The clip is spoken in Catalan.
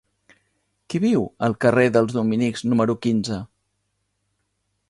Qui viu al carrer dels Dominics número quinze?